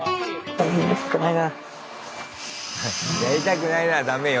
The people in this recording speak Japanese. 「やりたくないな」はダメよ